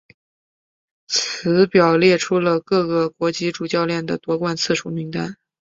此表列出了各个国籍主教练的夺冠次数名单。